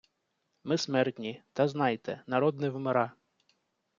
Ми смертні, Та знайте: народ не вмира